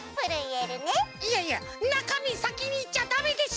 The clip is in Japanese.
いやいやなかみさきにいっちゃダメでしょ！